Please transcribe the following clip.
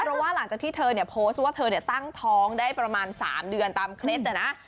เพราะว่าหลังจากที่เธอเนี่ยโพสต์ว่าเธอตั้งท้องได้ประมาณ๓เดือนตามเคล็ดนะนะ